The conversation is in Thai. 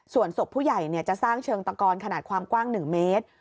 ส่วนศพผู้ใหญ่จะสร้างเชิงตะกอนขนาดความกว้าง๑เมตร